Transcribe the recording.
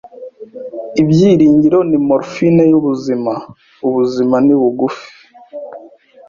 Ibyiringiro ni morphine yubuzima. Ubuzima ni bugufi!